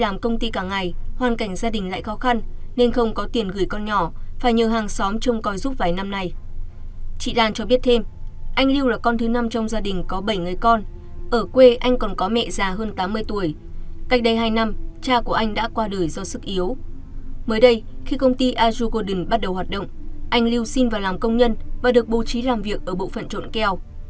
mới đây khi công ty azure golden bắt đầu hoạt động anh lưu xin vào làm công nhân và được bố trí làm việc ở bộ phận trộn keo